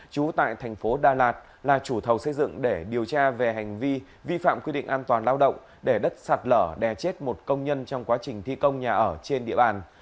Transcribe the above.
chú tại thành phố đà lạt là chủ thầu xây dựng để điều tra về hành vi vi phạm quy định an toàn lao động để đất sạt lở đè chết một công nhân trong quá trình thi công nhà ở trên địa bàn